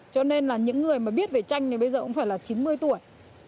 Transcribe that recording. cho nên là những người mà biết về tranh thì bây giờ cũng phải là chín mươi tuổi